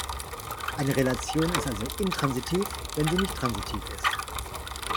Eine Relation ist also intransitiv, wenn sie nicht transitiv ist.